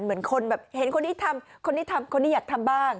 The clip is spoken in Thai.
เหมือนคนแบบเห็นคนนี้ทำคนนี้ทำคนนี้อยากทำบ้าง